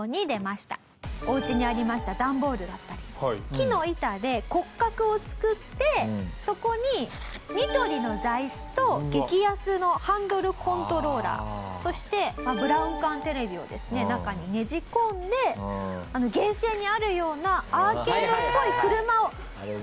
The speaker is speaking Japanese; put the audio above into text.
お家にありました段ボールだったり木の板で骨格を作ってそこにニトリの座椅子と激安のハンドルコントローラーそしてブラウン管テレビを中にねじ込んでゲーセンにあるようなアーケードっぽい車を自作したと。